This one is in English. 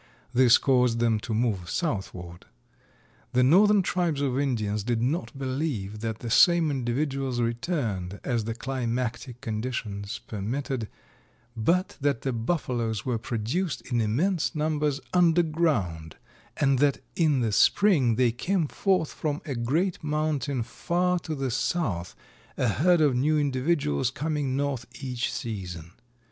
This caused them to move southward. The northern tribes of Indians did not believe that the same individuals returned, as the climatic conditions permitted, but that the Buffaloes were produced in immense numbers under ground and that in the spring they came forth from a great mountain far to the south, a herd of new individuals coming north each season.